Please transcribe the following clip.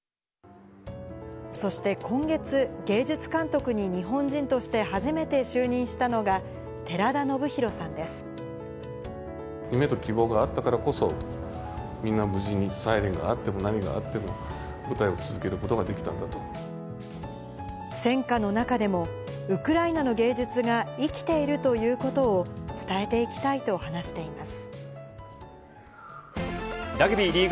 そして今月、芸術監督に日本人として初めて就任したのが、夢と希望があったからこそ、みんな無事に、サイレンがあっても何があっても、舞台を続けるこ戦火の中でも、ウクライナの芸術が生きているということを伝えていきたいと話しています。